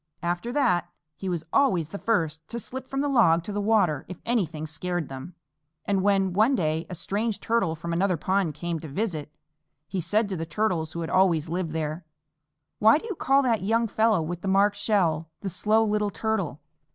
After that he was always the first to slip from the log to the water if anything scared them; and when, one day, a strange Turtle from another pond came to visit, he said to the Turtles who had always lived there, "Why do you call that young fellow with the marked shell 'The Slow Little Turtle?'